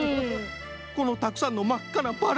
このたくさんのまっかなバラ！